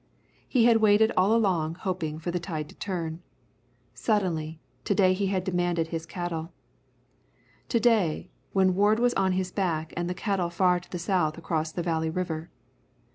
He had waited all along hoping for the tide to turn. Suddenly, to day he had demanded his cattle. To day, when Ward was on his back and the cattle far to the south across the Valley River.